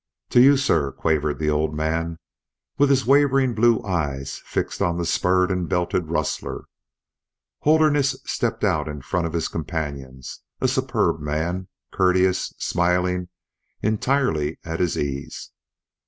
"To you, sir," quavered the old man, with his wavering blue eyes fixed on the spurred and belted rustler. Holderness stepped out in front of his companions, a superb man, courteous, smiling, entirely at his ease.